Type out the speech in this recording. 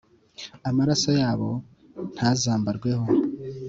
amaraso yabo ntazambarweho